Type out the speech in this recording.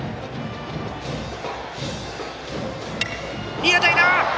いい当たりだ！